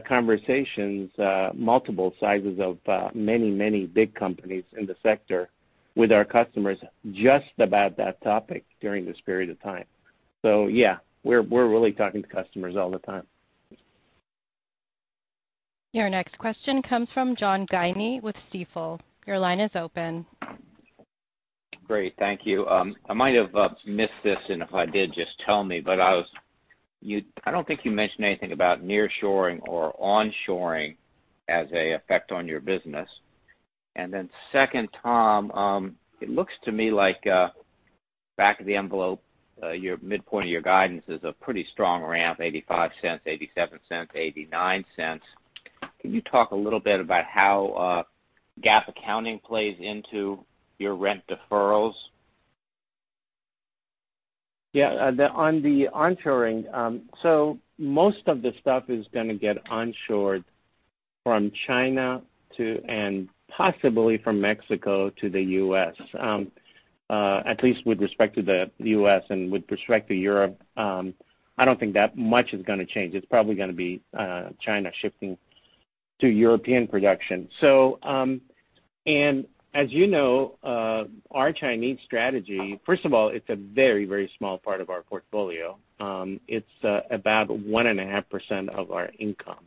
conversations, multiple sizes of many, many big companies in the sector with our customers just about that topic during this period of time. Yeah, we're really talking to customers all the time. Your next question comes from John Guinee with Stifel. Your line is open. Great. Thank you. I might have missed this, and if I did, just tell me, but I don't think you mentioned anything about nearshoring or onshoring as a effect on your business. Then second, Tom, it looks to me like back of the envelope, your midpoint of your guidance is a pretty strong ramp, $0.85, $0.87, $0.89. Can you talk a little bit about how GAAP accounting plays into your rent deferrals? Yeah. On the onshoring, most of the stuff is going to get onshored from China and possibly from Mexico to the U.S. At least with respect to the U.S. and with respect to Europe, I don't think that much is going to change. It's probably going to be China shifting to European production. As you know, our Chinese strategy, first of all, it's a very, very small part of our portfolio. It's about 1.5% of our income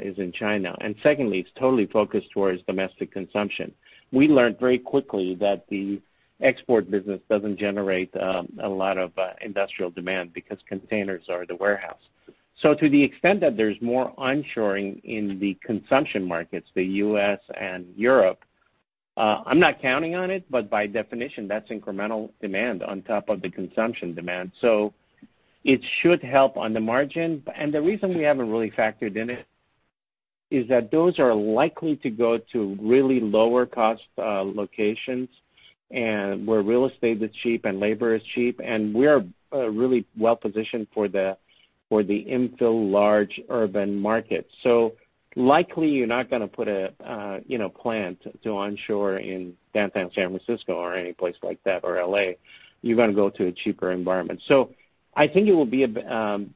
is in China. Secondly, it's totally focused towards domestic consumption. We learned very quickly that the export business doesn't generate a lot of industrial demand because containers are the warehouse. To the extent that there's more onshoring in the consumption markets, the U.S. and Europe, I'm not counting on it, but by definition, that's incremental demand on top of the consumption demand. It should help on the margin. The reason we haven't really factored in it is that those are likely to go to really lower-cost locations, and where real estate is cheap and labor is cheap, and we are really well-positioned for the infill large urban markets. Likely, you're not going to put a plant to onshore in downtown San Francisco or any place like that, or L.A. You're going to go to a cheaper environment. I think it will be an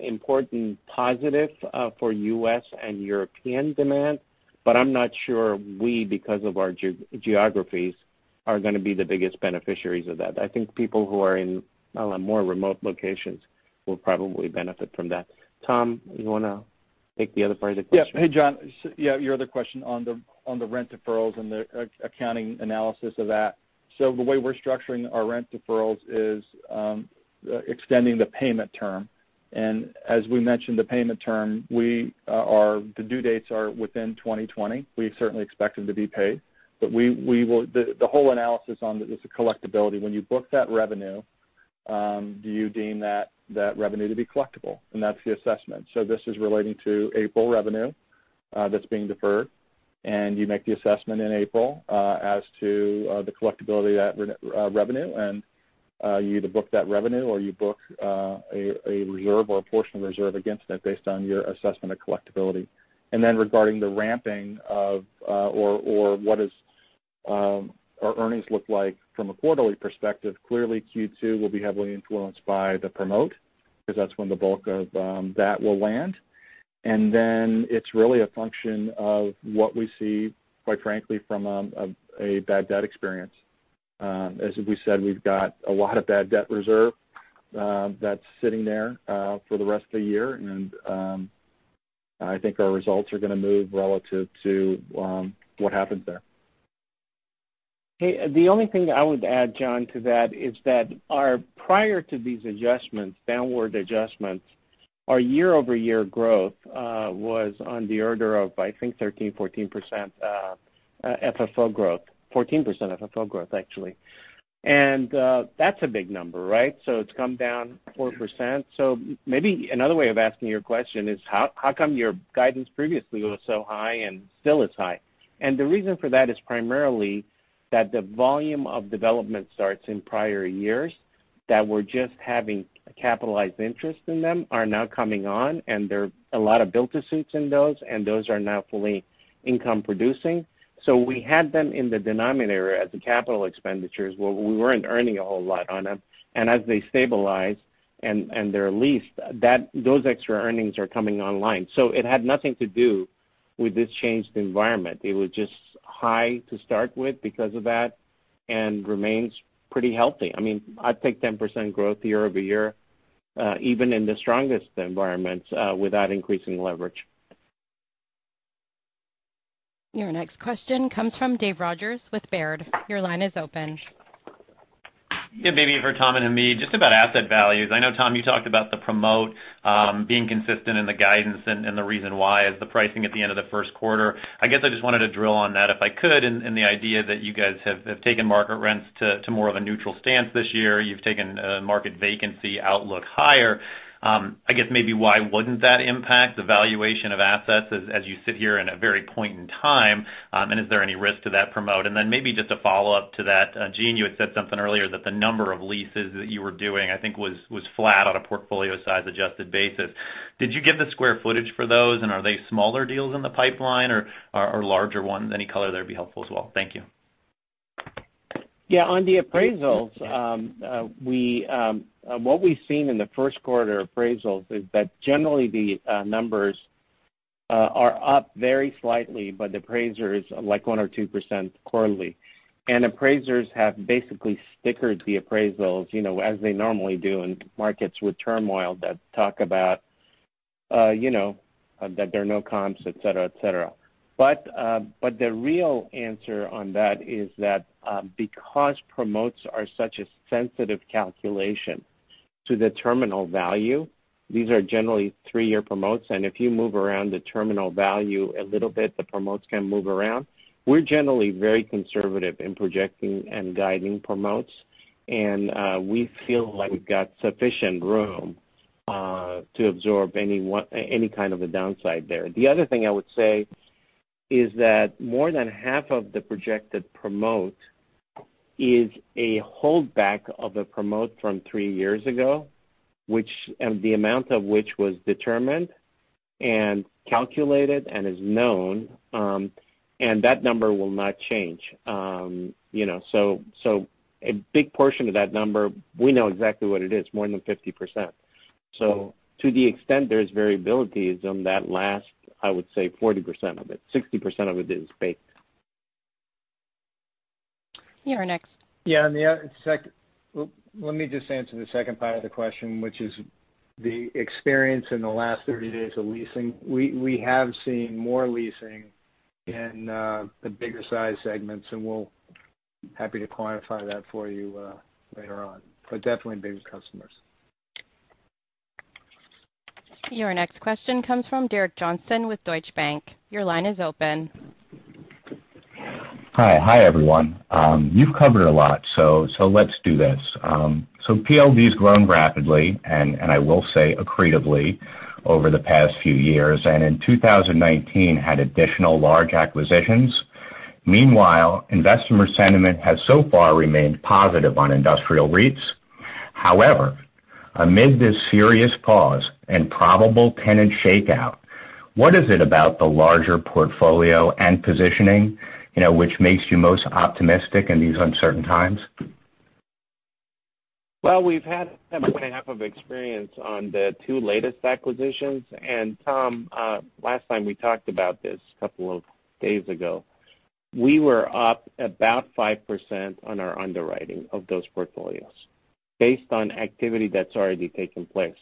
important positive for U.S. and European demand, but I'm not sure we, because of our geographies, are going to be the biggest beneficiaries of that. I think people who are in more remote locations will probably benefit from that. Tom, you want to take the other part of the question? Hey, John. Your other question on the rent deferrals and the accounting analysis of that. The way we're structuring our rent deferrals is extending the payment term. As we mentioned, the payment term, the due dates are within 2020. We certainly expect them to be paid. The whole analysis on this is collectibility. When you book that revenue, do you deem that revenue to be collectible? That's the assessment. This is relating to April revenue that's being deferred, and you make the assessment in April as to the collectibility of that revenue, and you either book that revenue or you book a reserve or a portion of reserve against it based on your assessment of collectability. Regarding what is our earnings look like from a quarterly perspective, clearly Q2 will be heavily influenced by the promote, because that's when the bulk of that will land. It's really a function of what we see, quite frankly, from a bad debt experience. As we said, we've got a lot of bad debt reserve that's sitting there for the rest of the year, and I think our results are going to move relative to what happens there. The only thing I would add, John, to that is that prior to these adjustments, downward adjustments, our year-over-year growth was on the order of, I think, 13%, 14% FFO growth. 14% FFO growth, actually. That's a big number, right? It's come down 4%. Maybe another way of asking your question is, how come your guidance previously was so high and still is high? The reason for that is primarily that the volume of development starts in prior years that we're just having capitalized interest in them are now coming on, and there are a lot of build-to-suits in those, and those are now fully income producing. We had them in the denominator as a capital expenditure, is where we weren't earning a whole lot on them. As they stabilize and they're leased, those extra earnings are coming online. It had nothing to do with this changed environment. It was just high to start with because of that and remains pretty healthy. I'd take 10% growth year-over-year, even in the strongest environments, without increasing leverage. Your next question comes from Dave Rogers with Baird. Your line is open. Yeah, maybe for Tom and Hamid. Just about asset values. I know, Tom, you talked about the promote, being consistent in the guidance and the reason why is the pricing at the end of the first quarter. I guess I just wanted to drill on that, if I could, and the idea that you guys have taken market rents to more of a neutral stance this year. You've taken market vacancy outlook higher. I guess maybe why wouldn't that impact the valuation of assets as you sit here in a very point in time? Is there any risk to that promote? Maybe just a follow-up to that. Gene, you had said something earlier that the number of leases that you were doing, I think, was flat on a portfolio-size adjusted basis. Did you give the square footage for those, and are they smaller deals in the pipeline or larger ones? Any color there'd be helpful as well. Thank you. Yeah, on the appraisals, what we've seen in the first quarter appraisals is that generally the numbers are up very slightly by the appraisers, like 1% or 2% quarterly. Appraisers have basically stickered the appraisals as they normally do in markets with turmoil that talk about that there are no comps, et cetera. The real answer on that is that because promotes are such a sensitive calculation to the terminal value, these are generally three-year promotes, and if you move around the terminal value a little bit, the promotes can move around. We're generally very conservative in projecting and guiding promotes, and we feel like we've got sufficient room to absorb any kind of a downside there. The other thing I would say is that more than half of the projected promote is a holdback of a promote from three years ago, the amount of which was determined and calculated and is known, and that number will not change. A big portion of that number, we know exactly what it is, more than 50%. To the extent there's variabilities on that last, I would say 40% of it, 60% of it is baked. You're next. Yeah. Let me just answer the second part of the question, which is the experience in the last 30 days of leasing. We have seen more leasing in the bigger size segments, and happy to quantify that for you later on. Definitely bigger customers. Your next question comes from Derek Johnson with Deutsche Bank. Your line is open. Hi, everyone. You've covered a lot, so let's do this. PLD's grown rapidly, and I will say accretively over the past few years, and in 2019, had additional large acquisitions. Meanwhile, investor sentiment has so far remained positive on industrial REITs. However, amid this serious pause and probable tenant shakeout, what is it about the larger portfolio and positioning which makes you most optimistic in these uncertain times? Well, we've had 1.5 of experience on the two latest acquisitions. Tom, last time we talked about this a couple of days ago. We were up about 5% on our underwriting of those portfolios based on activity that's already taken place.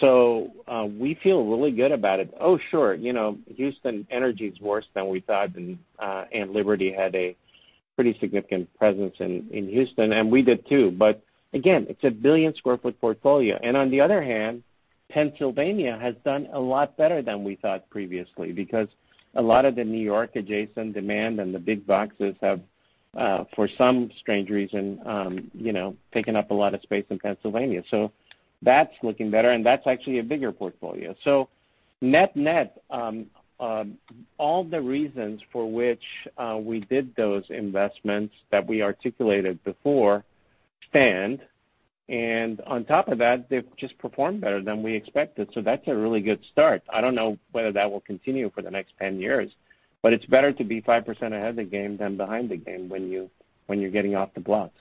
We feel really good about it. Oh, sure. Houston energy's worse than we thought, and Liberty had a pretty significant presence in Houston, and we did too. Again, it's a billion-square-foot portfolio. On the other hand, Pennsylvania has done a lot better than we thought previously because a lot of the New York adjacent demand and the big boxes have for some strange reason taken up a lot of space in Pennsylvania. That's looking better, and that's actually a bigger portfolio. Net, net, all the reasons for which we did those investments that we articulated before stand. On top of that, they've just performed better than we expected. That's a really good start. I don't know whether that will continue for the next 10 years. It's better to be 5% ahead of the game than behind the game when you're getting off the blocks.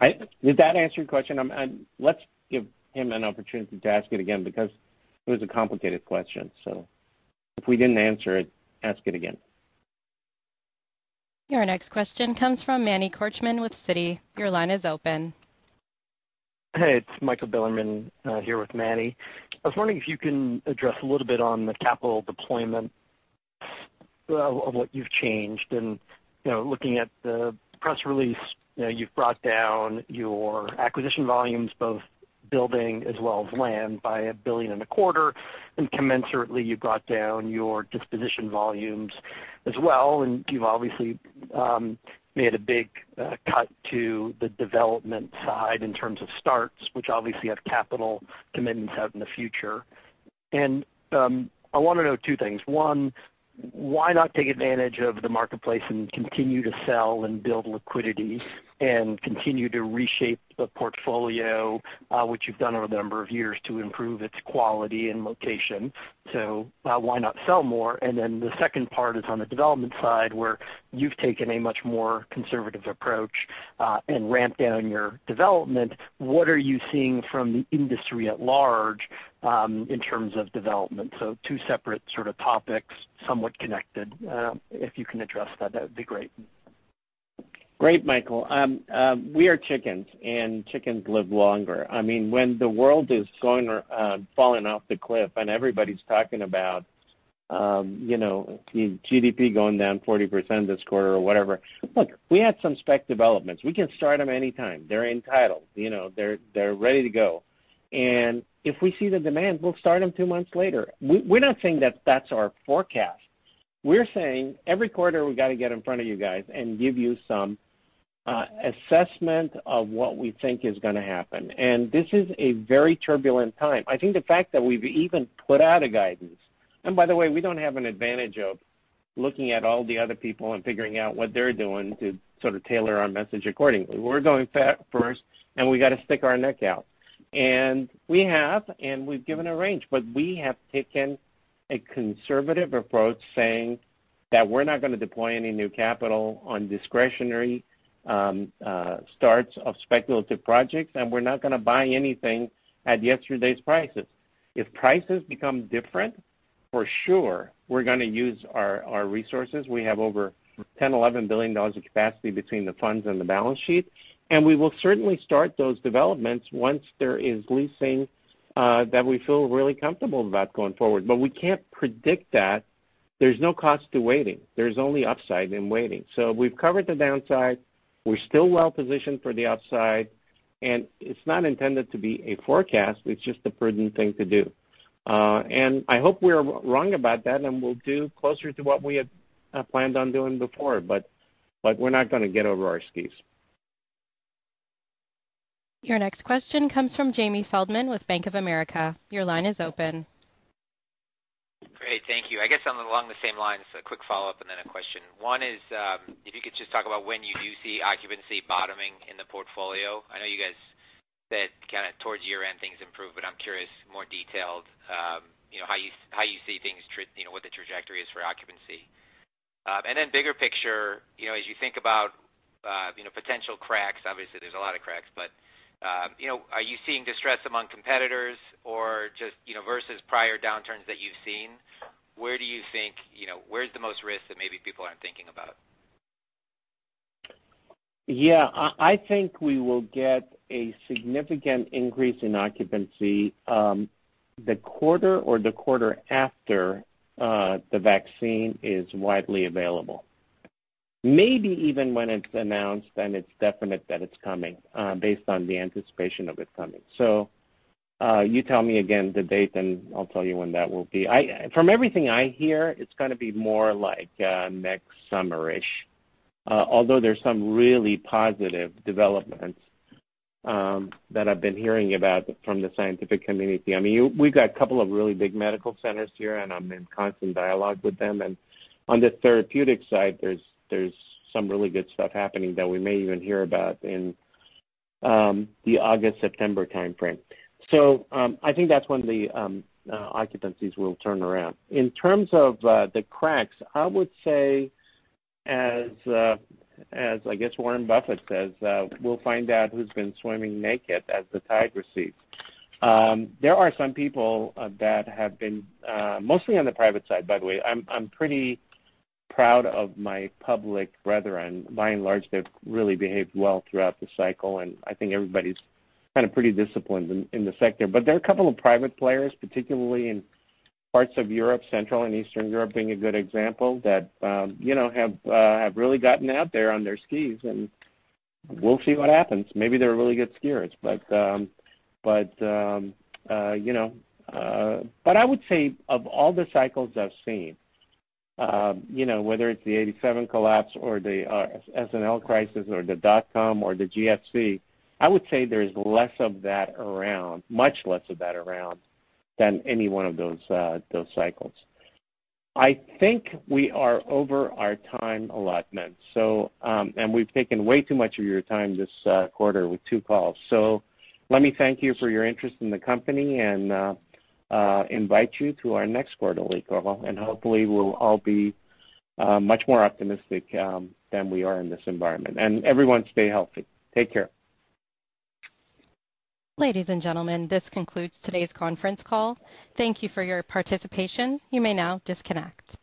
Did that answer your question? Let's give him an opportunity to ask it again, because it was a complicated question. If we didn't answer it, ask it again. Your next question comes from Manny Korchman with Citi. Your line is open. Hey, it's Michael Bilerman, here with Manny. I was wondering if you can address a little bit on the capital deployment of what you've changed. Looking at the press release, you've brought down your acquisition volumes, both building as well as land, by $1 billion and a quarter, and commensurately, you brought down your disposition volumes as well. You've obviously made a big cut to the development side in terms of starts, which obviously have capital commitments out in the future. I want to know two things. One, why not take advantage of the marketplace and continue to sell and build liquidity and continue to reshape the portfolio, which you've done over a number of years to improve its quality and location? Why not sell more? The second part is on the development side, where you've taken a much more conservative approach and ramped down your development. What are you seeing from the industry at large in terms of development? Two separate topics, somewhat connected. If you can address that would be great. Great, Michael. We are chickens, and chickens live longer. When the world is falling off the cliff and everybody's talking about GDP going down 40% this quarter or whatever. Look, we had some spec developments. We can start them anytime. They're entitled. They're ready to go. If we see the demand, we'll start them two months later. We're not saying that that's our forecast. We're saying every quarter we got to get in front of you guys and give you some assessment of what we think is going to happen. This is a very turbulent time. I think the fact that we've even put out a guidance. By the way, we don't have an advantage of looking at all the other people and figuring out what they're doing to sort of tailor our message accordingly. We're going first, and we got to stick our neck out. We've given a range. We have taken a conservative approach, saying that we're not going to deploy any new capital on discretionary starts of speculative projects, and we're not going to buy anything at yesterday's prices. If prices become different, for sure, we're going to use our resources. We have over $10, $11 billion of capacity between the funds and the balance sheet, and we will certainly start those developments once there is leasing that we feel really comfortable about going forward. We can't predict that. There's no cost to waiting. There's only upside in waiting. We've covered the downside. We're still well-positioned for the upside, and it's not intended to be a forecast. It's just a prudent thing to do. I hope we're wrong about that, and we'll do closer to what we had planned on doing before. We're not going to get over our skis. Your next question comes from Jamie Feldman with Bank of America. Your line is open. Great. Thank you. I guess along the same lines, a quick follow-up and then a question. One is, if you could just talk about when you do see occupancy bottoming in the portfolio. I know you guys said kind of towards year-end things improve, but I'm curious, more detailed, how you see things, what the trajectory is for occupancy. Bigger picture, as you think about potential cracks, obviously there's a lot of cracks, but are you seeing distress among competitors, or just versus prior downturns that you've seen, where's the most risk that maybe people aren't thinking about? I think we will get a significant increase in occupancy the quarter or the quarter after the vaccine is widely available. Maybe even when it's announced and it's definite that it's coming based on the anticipation of it coming. You tell me again the date, and I'll tell you when that will be. From everything I hear, it's going to be more like next summer-ish. There's some really positive developments that I've been hearing about from the scientific community. We've got a couple of really big medical centers here, and I'm in constant dialogue with them. On the therapeutic side, there's some really good stuff happening that we may even hear about in the August, September timeframe. I think that's when the occupancies will turn around. In terms of the cracks, I would say as I guess Warren Buffett says, "We'll find out who's been swimming naked as the tide recedes." There are some people that have been, mostly on the private side, by the way. I'm pretty proud of my public brethren. By and large, they've really behaved well throughout the cycle, and I think everybody's kind of pretty disciplined in the sector. There are a couple of private players, particularly in parts of Europe, Central and Eastern Europe being a good example, that have really gotten out there on their skis, and we'll see what happens. Maybe they're really good skiers. I would say of all the cycles I've seen, whether it's the 1987 collapse or the S&L crisis or the dot-com or the GFC, I would say there's less of that around, much less of that around, than any one of those cycles. I think we are over our time allotment. We've taken way too much of your time this quarter with two calls. Let me thank you for your interest in the company and invite you to our next quarterly call. Hopefully, we'll all be much more optimistic than we are in this environment. Everyone, stay healthy. Take care. Ladies and gentlemen, this concludes today's conference call. Thank you for your participation. You may now disconnect.